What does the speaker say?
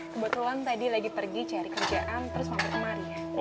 kebetulan tadi lagi pergi cari kerjaan terus mampu kemari ya